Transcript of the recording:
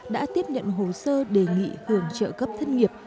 đã tiếp nhận hồ sơ đề nghị hưởng trợ cấp thất nghiệp